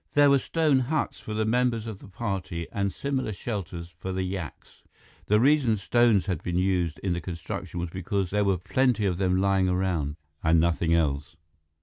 There were stone huts for the members of the party and similar shelters for the yaks. The reason stones had been used in the construction was because there were plenty of them lying around; and nothing else.